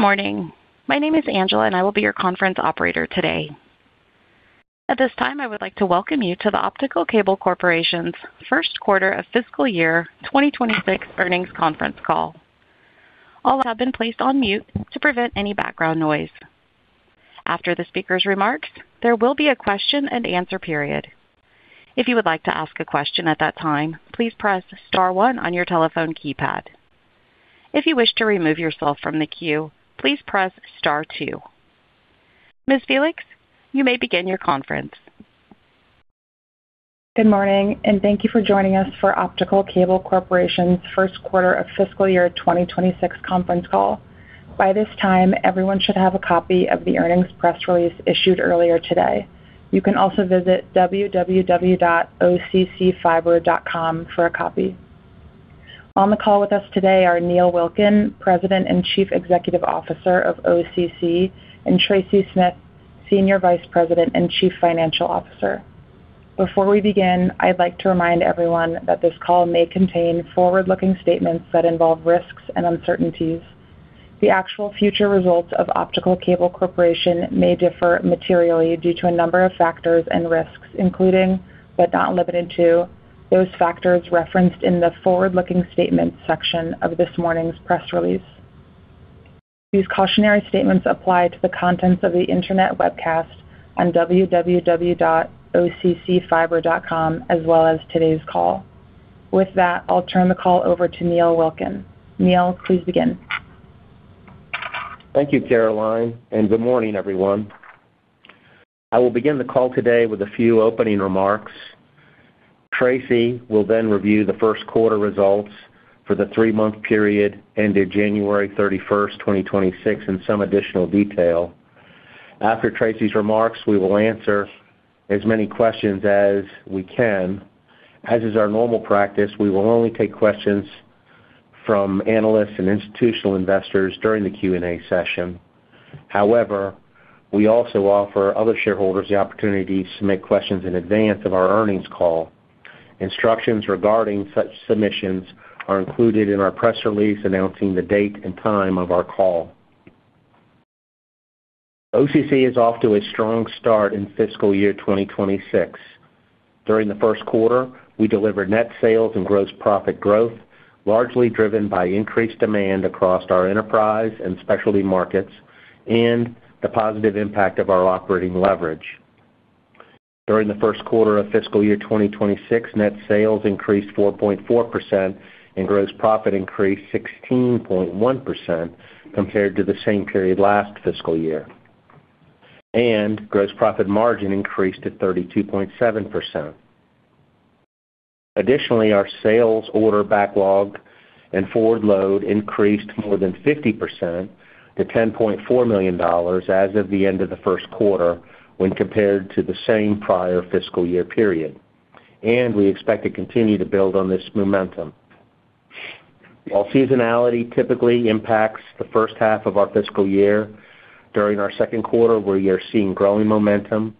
Good morning. My name is Angela, and I will be your conference operator today. At this time, I would like to welcome you to the Optical Cable Corporation's Q1 of fiscal year 2026 earnings conference call. All lines have been placed on mute to prevent any background noise. After the speaker's remarks, there will be a question-and-answer period. If you would like to ask a question at that time, please press star one on your telephone keypad. If you wish to remove yourself from the queue, please press star two. Ms Felix, you may begin your conference. Good morning, and thank you for joining us for Optical Cable Corporation's Q1 of fiscal year 2026 conference call. By this time, everyone should have a copy of the earnings press release issued earlier today. You can also visit www.occfiber.com for a copy. On the call with us today are Neil Wilkin, President and Chief Executive Officer of OCC, and Tracy Smith, Senior Vice President and Chief Financial Officer. Before we begin, I'd like to remind everyone that this call may contain forward-looking statements that involve risks and uncertainties. The actual future results of Optical Cable Corporation may differ materially due to a number of factors and risks, including, but not limited to, those factors referenced in the forward-looking statements section of this morning's press release. These cautionary statements apply to the contents of the internet webcast on www.occfiber.com, as well as today's call. With that, I'll turn the call over to Neil Wilkin. Neil, please begin. Thank you, Caroline, and good morning, everyone. I will begin the call today with a few opening remarks. Tracy will then review the Q1 results for the 3-month period ended January 31, 2026, in some additional detail. After Tracy's remarks, we will answer as many questions as we can. As is our normal practice, we will only take questions from analysts and institutional investors during the Q&A session. However, we also offer other shareholders the opportunity to submit questions in advance of our earnings call. Instructions regarding such submissions are included in our press release announcing the date and time of our call. OCC is off to a strong start in fiscal year 2026. During the Q1, we delivered net sales and gross profit growth, largely driven by increased demand across our enterprise and specialty markets and the positive impact of our operating leverage. During the Q1 of fiscal year 2026, net sales increased 4.4% and gross profit increased 16.1% compared to the same period last fiscal year, and gross profit margin increased to 32.7%. Additionally, our sales order backlog and forward load increased more than 50% to $10.4 million as of the end of the Q1 when compared to the same prior fiscal year period. We expect to continue to build on this momentum. While seasonality typically impacts the H1 of our fiscal year, during our Q2, we are seeing growing momentum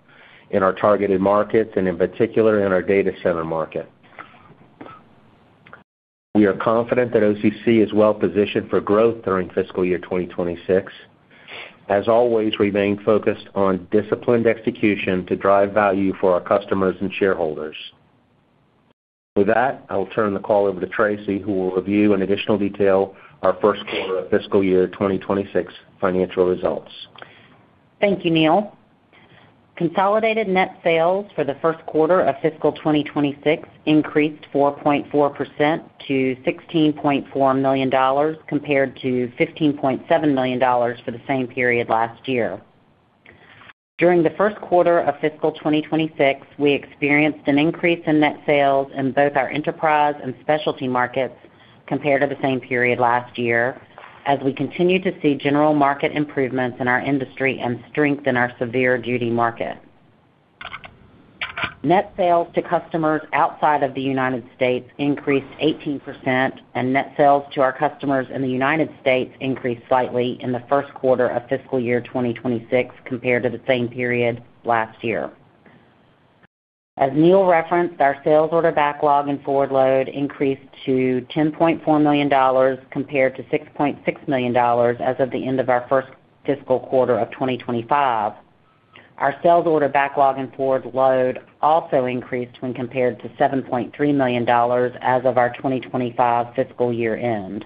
in our targeted markets and, in particular, in our data center market. We are confident that OCC is well-positioned for growth during fiscal year 2026. As always, remain focused on disciplined execution to drive value for our customers and shareholders. With that, I will turn the call over to Tracy, who will review in additional detail our Q1 of fiscal year 2026 financial results. Thank you, Neil. Consolidated net sales for the Q1 of fiscal 2026 increased 4.4% to $16.4 million compared to $15.7 million for the same period last year. During the Q1 of fiscal 2026, we experienced an increase in net sales in both our enterprise and specialty markets compared to the same period last year, as we continue to see general market improvements in our industry and strength in our severe-duty market. Net sales to customers outside of the United States increased 18%, and net sales to our customers in the United States increased slightly in the Q1 of fiscal year 2026 compared to the same period last year. As Neil referenced, our sales order backlog and forward load increased to $10.4 million compared to $6.6 million as of the end of our 1st fiscal quarter of 2025. Our sales order backlog and forward load also increased when compared to $7.3 million as of our 2025 fiscal year-end.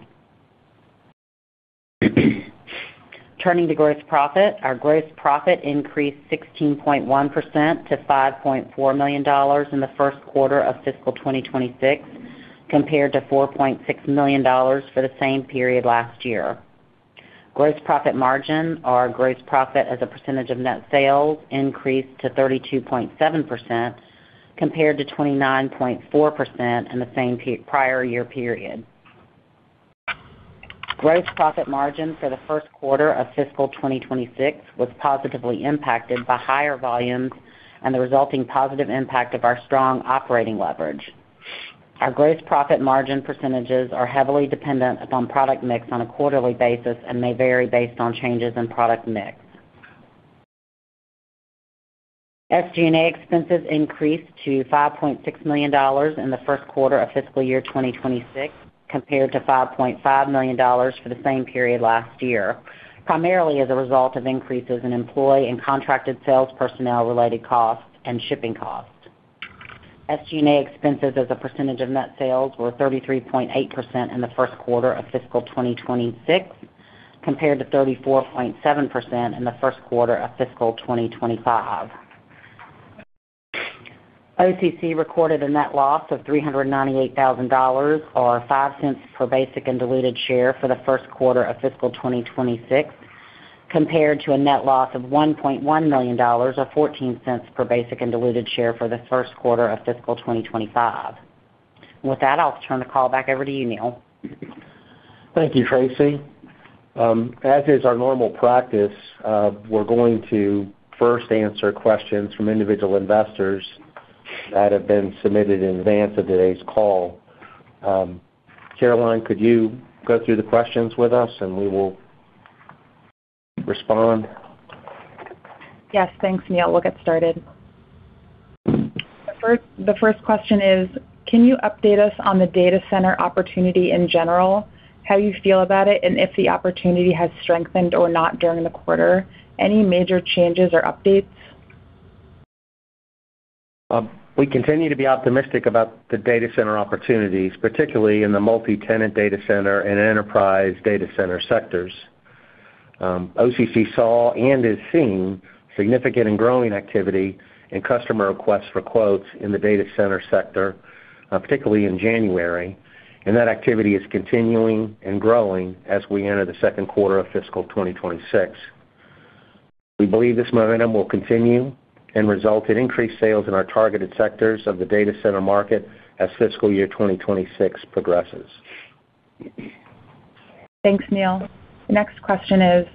Turning to gross profit, our gross profit increased 16.1% to $5.4 million in the fQ1 of fiscal 2026 compared to $4.6 million for the same period last year. Gross profit margin, our gross profit as a percentage of net sales, increased to 32.7% compared to 29.4% in the same prior year period. Gross profit margin for the Q1 of fiscal 2026 was positively impacted by higher volumes and the resulting positive impact of our strong operating leverage. Our gross profit margin percentages are heavily dependent upon product mix on a quarterly basis and may vary based on changes in product mix. SG&A expenses increased to $5.6 million in the Q1 of fiscal year 2026, compared to $5.5 million for the same period last year, primarily as a result of increases in employee and contracted sales personnel related costs and shipping costs. SG&A expenses as a percentage of net sales were 33.8% in the Q1 of fiscal 2026, compared to 34.7% in the Q1 of fiscal 2025. OCC recorded a net loss of $398,000 or $0.05 per basic and diluted share for the Q1 of fiscal 2026, compared to a net loss of $1.1 million or $0.14 per basic and diluted share for the Q1 of fiscal 2025. With that, I'll turn the call back over to you, Neil. Thank you, Tracy. As is our normal practice, we're going to 1st answer questions from individual investors that have been submitted in advance of today's call. Caroline, could you go through the questions with us, and we will respond? Yes. Thanks, Neil. We'll get started. The 1st question is, can you update us on the data center opportunity in general, how you feel about it, and if the opportunity has strengthened or not during the quarter? Any major changes or updates? We continue to be optimistic about the data center opportunities, particularly in the multi-tenant data center and enterprise data center sectors. OCC saw and is seeing significant and growing activity and customer requests for quotes in the data center sector, particularly in January, and that activity is continuing and growing as we enter the Q2 of fiscal 2026. We believe this momentum will continue and result in increased sales in our targeted sectors of the data center market as fiscal year 2026 progresses. Thanks, Neil. The next question is,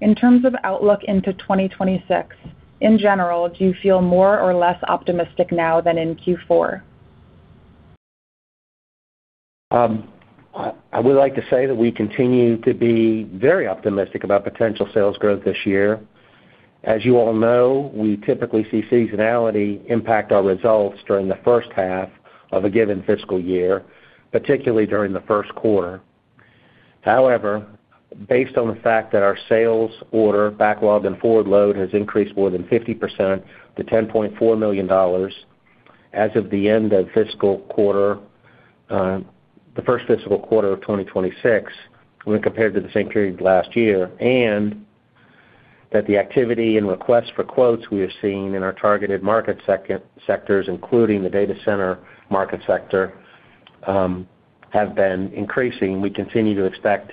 in terms of outlook into 2026, in general, do you feel more or less optimistic now than in Q4? I would like to say that we continue to be very optimistic about potential sales growth this year. As you all know, we typically see seasonality impact our results during the H1 of a given fiscal year, particularly during the Q1. However, based on the fact that our sales order backlog and forward load has increased more than 50% to $10.4 million as of the end of fiscal quarter, the 1st fiscal quarter of 2026 when compared to the same period last year, and that the activity and requests for quotes we have seen in our targeted market sectors, including the data center market sector, have been increasing. We continue to expect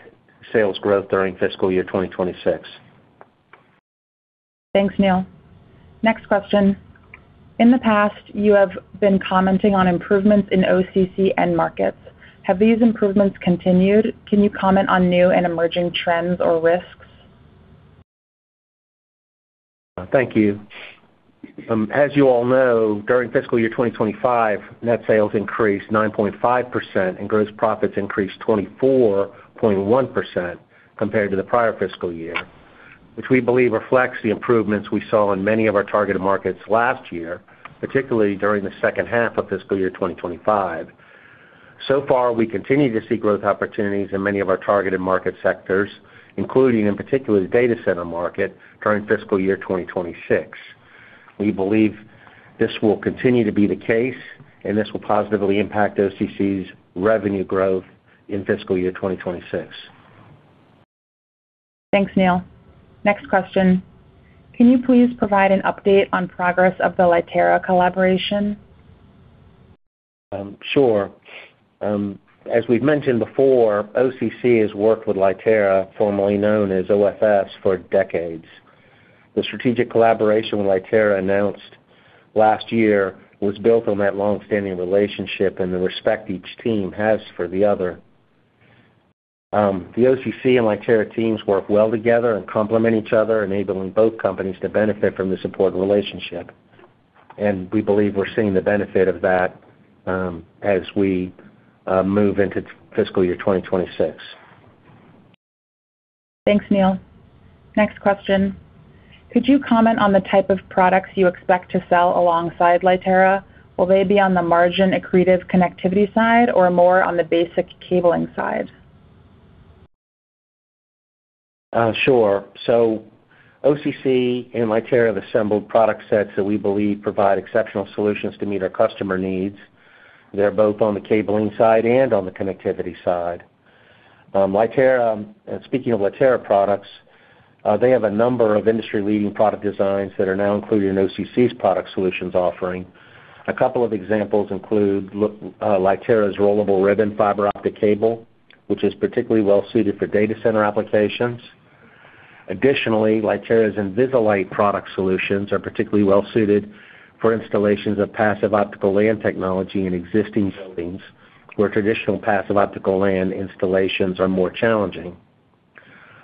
sales growth during fiscal year 2026. Thanks, Neil. Next question. In the past, you have been commenting on improvements in OCC end markets. Have these improvements continued? Can you comment on new and emerging trends or risks? Thank you. As you all know, during fiscal year 2025, net sales increased 9.5% and gross profits increased 24.1% compared to the prior fiscal year, which we believe reflects the improvements we saw in many of our targeted markets last year, particularly during the H2 of fiscal year 2025. Far, we continue to see growth opportunities in many of our targeted market sectors, including in particular, the data center market during fiscal year 2026. We believe this will continue to be the case, and this will positively impact OCC's revenue growth in fiscal year 2026. Thanks, Neil. Next question. Can you please provide an update on progress of the Lightera collaboration? Sure. As we've mentioned before, OCC has worked with Lightera, formerly known as OFS, for decades. The strategic collaboration with Lightera announced last year was built on that long-standing relationship and the respect each team has for the other. The OCC and Lightera teams work well together and complement each other, enabling both companies to benefit from this important relationship. We believe we're seeing the benefit of that, as we move into fiscal year 2026. Thanks, Neil. Next question. Could you comment on the type of products you expect to sell alongside Lightera? Will they be on the margin accretive connectivity side or more on the basic cabling side? Sure. OCC and Lightera have assembled product sets that we believe provide exceptional solutions to meet our customer needs. They're both on the cabling side and on the connectivity side. Lightera, speaking of Lightera products, they have a number of industry-leading product designs that are now included in OCC's product solutions offering. A couple of examples include Lightera's rollable ribbon fiber optic cable, which is particularly well-suited for data center applications. Additionally, Lightera's InvisiLight product solutions are particularly well-suited for installations of passive optical LAN technology in existing buildings, where traditional passive optical LAN installations are more challenging.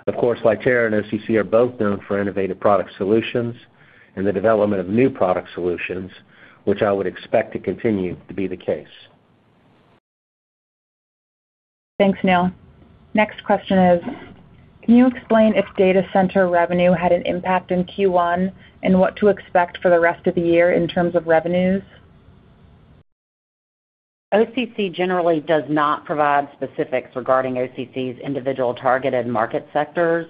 Of course, Lightera and OCC are both known for innovative product solutions and the development of new product solutions, which I would expect to continue to be the case. Thanks, Neil. Next question is, can you explain if data center revenue had an impact in Q1, and what to expect for the rest of the year in terms of revenues? OCC generally does not provide specifics regarding OCC's individual targeted market sectors.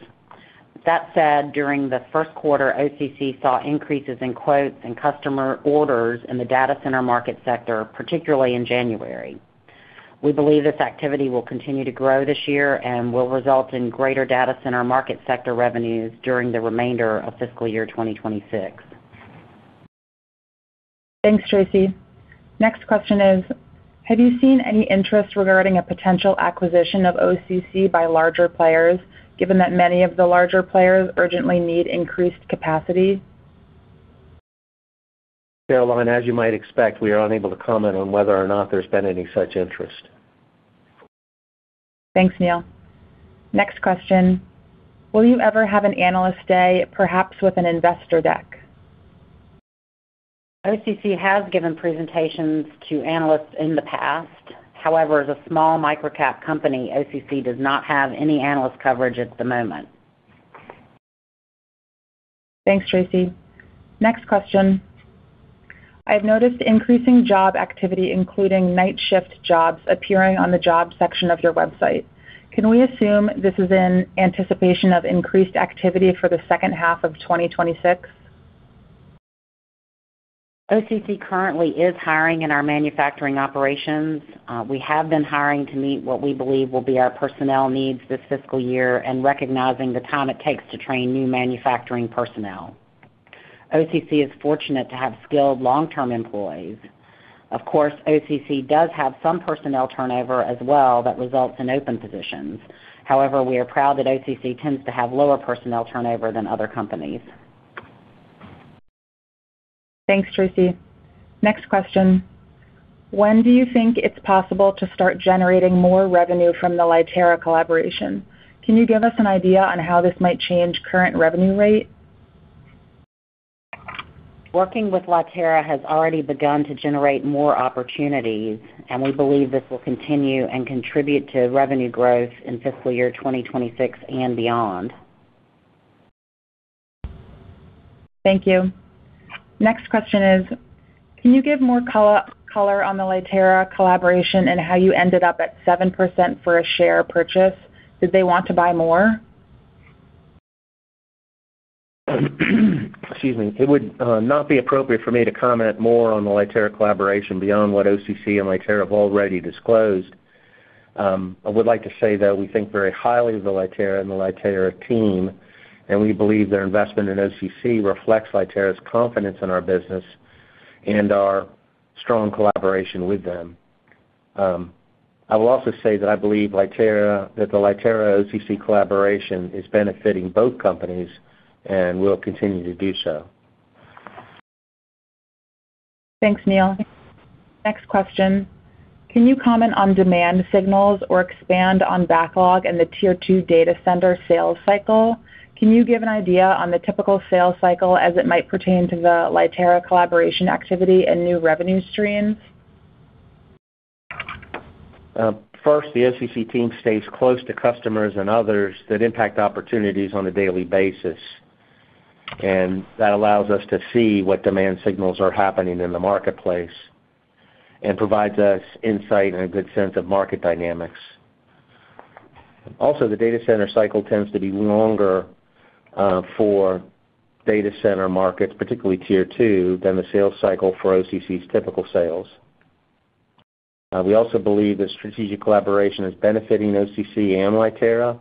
That said, during the Q1, OCC saw increases in quotes and customer orders in the data center market sector, particularly in January. We believe this activity will continue to grow this year and will result in greater data center market sector revenues during the remainder of fiscal year 2026. Thanks, Tracy. Next question is, have you seen any interest regarding a potential acquisition of OCC by larger players, given that many of the larger players urgently need increased capacity? Caroline, as you might expect, we are unable to comment on whether or not there's been any such interest. Thanks, Neil. Next question, will you ever have an analyst day, perhaps with an investor deck? OCC has given presentations to analysts in the past. However, as a small micro-cap company, OCC does not have any analyst coverage at the moment. Thanks, Tracy. Next question. I've noticed increasing job activity, including night shift jobs, appearing on the job section of your website. Can we assume this is in anticipation of increased activity for the H2 of 2026? OCC currently is hiring in our manufacturing operations. We have been hiring to meet what we believe will be our personnel needs this fiscal year and recognizing the time it takes to train new manufacturing personnel. OCC is fortunate to have skilled long-term employees. Of course, OCC does have some personnel turnover as well that results in open positions. However, we are proud that OCC tends to have lower personnel turnover than other companies. Thanks, Tracy. Next question. When do you think it's possible to start generating more revenue from the Lightera collaboration? Can you give us an idea on how this might change current revenue rate? Working with Lightera has already begun to generate more opportunities, and we believe this will continue and contribute to revenue growth in fiscal year 2026 and beyond. Thank you. Next question is, can you give more color on the Lightera collaboration and how you ended up at 7% for a share purchase? Did they want to buy more? Excuse me. It would not be appropriate for me to comment more on the Lightera collaboration beyond what OCC and Lightera have already disclosed. I would like to say, though, we think very highly of the Lightera and the Lightera team, and we believe their investment in OCC reflects Lightera's confidence in our business and our strong collaboration with them. I will also say that I believe that the Lightera-OCC collaboration is benefiting both companies and will continue to do so. Thanks, Neil. Next question, can you comment on demand signals or expand on backlog in the Tier II data center sales cycle? Can you give an idea on the typical sales cycle as it might pertain to the Lightera collaboration activity and new revenue streams? 1st, the OCC team stays close to customers and others that impact opportunities on a daily basis, and that allows us to see what demand signals are happening in the marketplace and provides us insight and a good sense of market dynamics. Also, the data center cycle tends to be longer, for data center markets, particularly Tier II, than the sales cycle for OCC's typical sales. We also believe the strategic collaboration is benefiting OCC and Lightera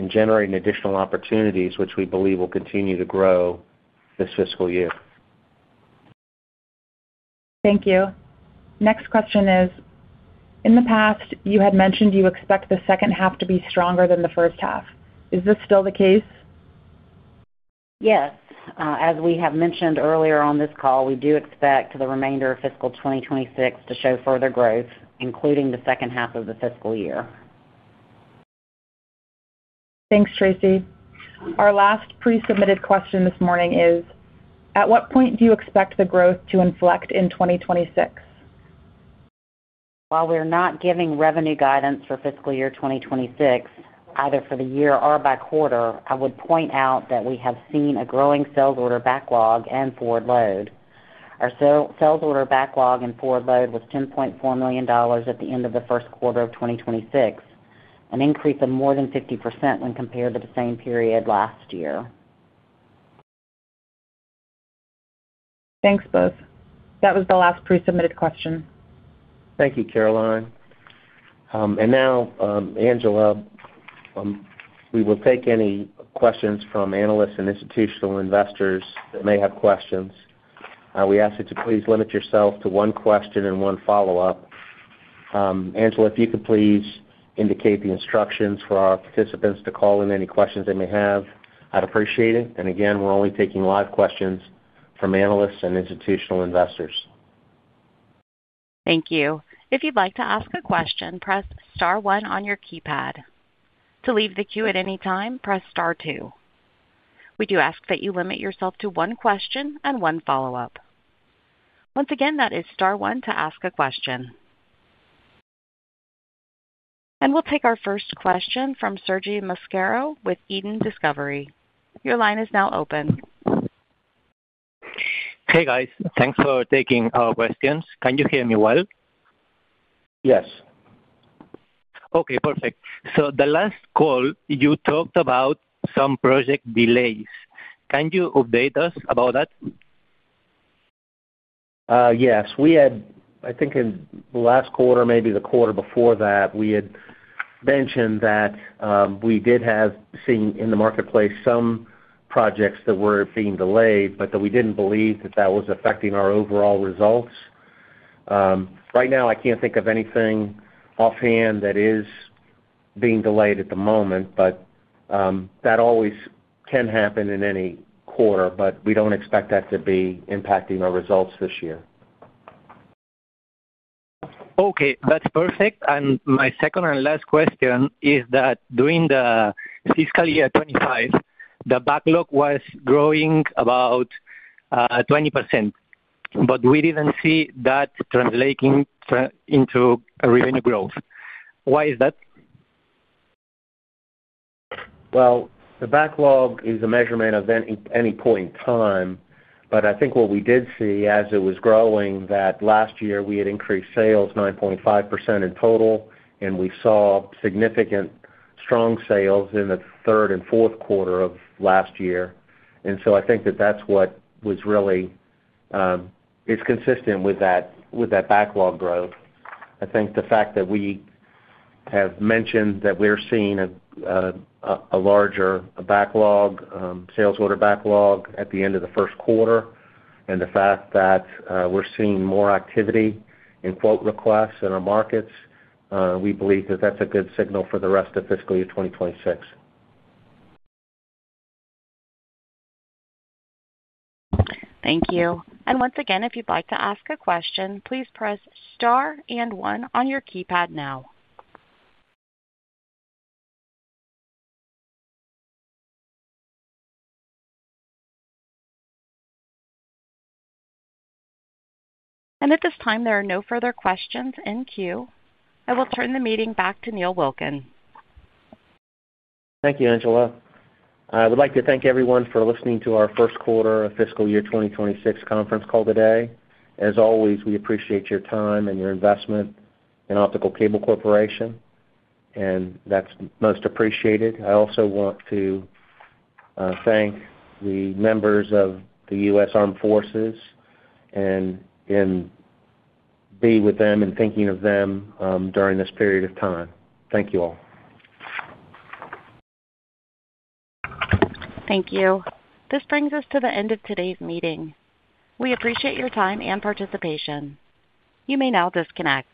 in generating additional opportunities which we believe will continue to grow this fiscal year. Thank you. Next question is, in the past you had mentioned you expect the H2 to be stronger than the H1. Is this still the case? Yes. As we have mentioned earlier on this call, we do expect the remainder of fiscal 2026 to show further growth, including the H2 of the fiscal year. Thanks, Tracy. Our last pre-submitted question this morning is, at what point do you expect the growth to inflect in 2026? While we're not giving revenue guidance for fiscal year 2026, either for the year or by quarter, I would point out that we have seen a growing sales order backlog and forward load. Our sales order backlog and forward load was $10.4 million at the end of the Q1 of 2026, an increase of more than 50% when compared to the same period last year. Thanks, both. That was the last pre-submitted question. Thank you, Caroline. Now, Angela, we will take any questions from analysts and institutional investors that may have questions. We ask that you please limit yourself to 1 question and 1 follow-up. Angela, if you could please indicate the instructions for our participants to call in any questions they may have, I'd appreciate it. Again, we're only taking live questions from analysts and institutional investors. Thank you. If you'd like to ask a question, press star one on your keypad. To leave the queue at any time, press star two. We do ask that you limit yourself to 1 question and 1 follow-up. Once again, that is star one to ask a question. We'll take our 1st question from Sergi Mascarell with Eden Discovery. Your line is now open. Hey, guys. Thanks for taking our questions. Can you hear me well? Yes. Okay, perfect. The last call, you talked about some project delays. Can you update us about that? Yes. We had, I think in the last quarter, maybe the quarter before that, we had mentioned that we had seen in the marketplace some projects that were being delayed, but we didn't believe that was affecting our overall results. Right now I can't think of anything offhand that is being delayed at the moment, but that always can happen in any quarter, but we don't expect that to be impacting our results this year. Okay, that's perfect. My 2nd and last question is that during the fiscal year 2025, the backlog was growing about 20%, but we didn't see that translating into a revenue growth. Why is that? Well, the backlog is a measurement of any point in time. I think what we did see as it was growing, that last year we had increased sales 9.5% in total, and we saw significant strong sales in the Q3 and Q4 of last year. I think that that's what was really, it's consistent with that, with that backlog growth. I think the fact that we have mentioned that we're seeing a larger backlog, sales order backlog at the end of the Q1 and the fact that we're seeing more activity in quote requests in our markets, we believe that that's a good signal for the rest of fiscal year 2026. Thank you. Once again, if you'd like to ask a question, please press star and one on your keypad now. At this time, there are no further questions in queue. I will turn the meeting back to Neil Wilkin. Thank you, Angela. I would like to thank everyone for listening to our Q1 of fiscal year 2026 conference call today. As always, we appreciate your time and your investment in Optical Cable Corporation, and that's most appreciated. I also want to thank the members of the United States Armed Forces and be with them and thinking of them during this period of time. Thank you all. Thank you. This brings us to the end of today's meeting. We appreciate your time and participation. You may now disconnect.